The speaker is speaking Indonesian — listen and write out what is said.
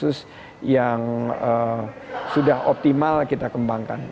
kasus yang sudah optimal kita kembangkan